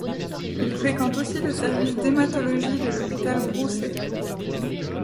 Il fréquente aussi le service d'hématologie de l'Hôpital Broussais.